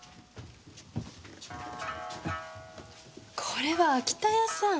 これは秋田屋さん。